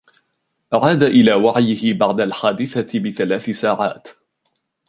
عاد إلى وعيه بعد الحادثة بثلاث ساعات.